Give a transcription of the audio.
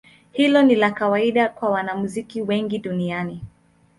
Hilo ni la kawaida kwa wanamuziki wengi duniani.